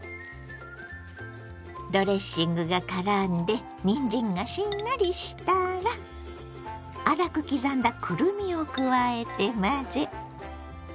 ドレッシングがからんでにんじんがしんなりしたら粗く刻んだくるみを加えて混ぜ。